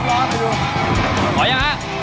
หอใหม่ฮะ